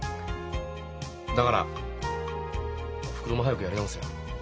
だからおふくろも早くやり直せよ。